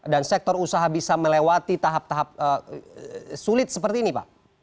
dan sektor usaha bisa melewati tahap tahap sulit seperti ini pak